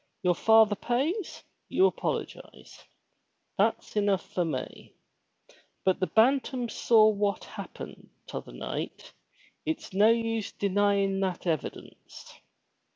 Your father pays, you apologize. That's enough for me. But the Bantam saw what happened t other night. It's no use your denyin' that evidence."